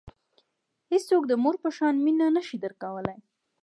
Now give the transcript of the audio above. هیڅوک د مور په شان مینه نه شي درکولای.